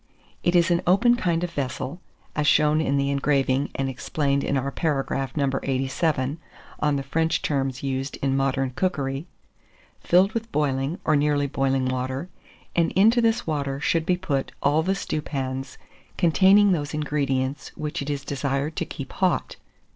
It is an open kind of vessel (as shown in the engraving and explained in our paragraph No. 87, on the French terms used in modern cookery), filled with boiling or nearly boiling water; and into this water should be put all the stewpans containing those ingredients which it is desired to keep hot.